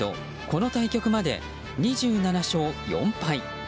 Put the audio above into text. この対局まで２７勝４敗。